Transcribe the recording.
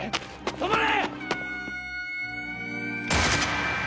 止まれ！